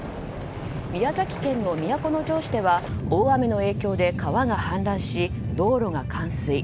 宮崎県の都城市では大雨の影響で川が氾濫し道路が冠水。